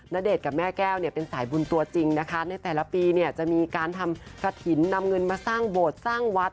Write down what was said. ณเดชน์กับแม่แก้วเนี่ยเป็นสายบุญตัวจริงนะคะในแต่ละปีเนี่ยจะมีการทำกระถิ่นนำเงินมาสร้างโบสถ์สร้างวัด